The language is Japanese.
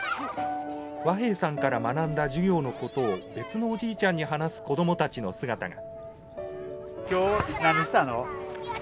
和平さんから学んだ授業のことを別のおじいちゃんに話す子どもたちの姿が。